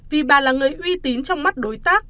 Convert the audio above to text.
vì bà là người uy tín trong mắt đối tác